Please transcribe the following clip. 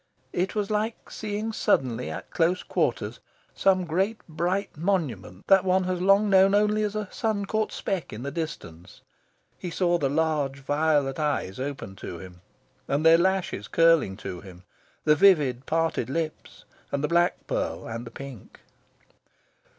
It was like seeing suddenly at close quarters some great bright monument that one has long known only as a sun caught speck in the distance. He saw the large violet eyes open to him, and their lashes curling to him; the vivid parted lips; and the black pearl, and the pink.